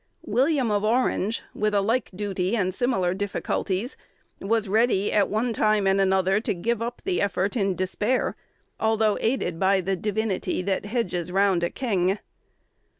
William of Orange, with a like duty and similar difficulties, was ready at one time and another to give up the effort in despair, although aided by "the divinity that hedges round a king."